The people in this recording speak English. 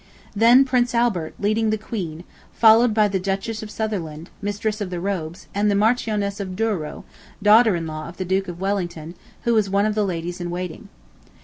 Then Prince Albert, leading the Queen, followed by the Duchess of Sutherland, Mistress of the Robes, and the Marchioness of Douro, daughter in law of the Duke of Wellington, who is one of the ladies in waiting.